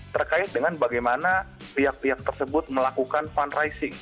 terkait dengan bagaimana pihak pihak tersebut melakukan fundraising